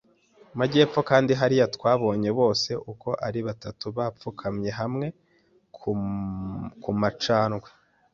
majyepfo, kandi hariya twabonye bose uko ari batatu bapfukamye hamwe kumacandwe